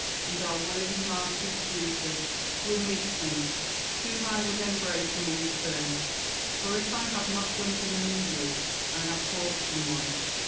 And our worthy Marcus Brutus will meet me, whom I would embrace among the first ; for, if I have not done him an injury, I have caused him one.